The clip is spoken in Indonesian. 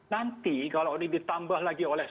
nanti kalau ini ditambah lagi oleh